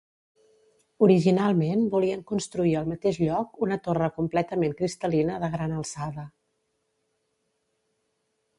Originalment volien construir al mateix lloc una torre completament cristal·lina de gran alçada.